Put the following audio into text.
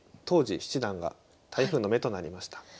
当時七段が台風の目となりました。